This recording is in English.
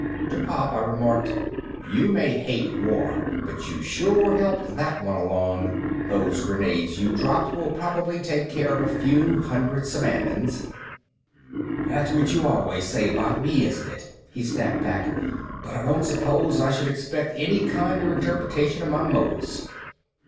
To Pop I remarked, "You may hate war, but you sure helped that one along. Those grenades you dropped will probably take care of a few hundred Savannans." "That's what you always say about me, isn't it?" he snapped back. "But I don't suppose I should expect any kinder interpretation of my motives."